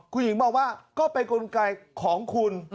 คุณหญิงมองว่าก็เป็นกลไกของคุณ